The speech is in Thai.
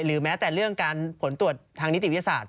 แม้แต่เรื่องการผลตรวจทางนิติวิทยาศาสต